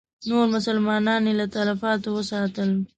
نور مسلمانان یې له تلفاتو وساتل.